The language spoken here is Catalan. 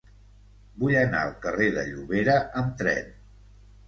Vull anar al carrer de Llobera amb tren.